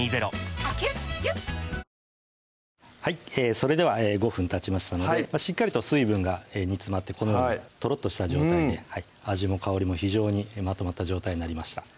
それでは５分たちましたのでしっかりと水分が煮詰まってこのようにとろっとした状態で味も香りも非常にまとまった状態になりました